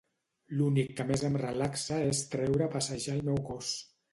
L'únic que més em relaxa és treure a passejar el meu gos.